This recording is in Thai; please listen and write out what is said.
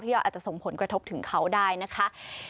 เราอาจจะส่งผลกระทบถึงเขาได้นะคะ